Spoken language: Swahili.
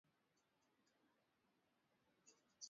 hifadhi ni makazi ya kudumu ya wanyama pori